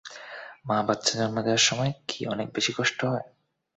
মা, বাচ্চা জন্ম দেওয়ার সময় কী অনেক বেশি কষ্ট হয়?